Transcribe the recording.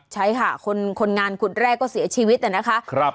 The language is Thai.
ใช่ค่ะคนงานขุดแรกก็เสียชีวิตนะคะ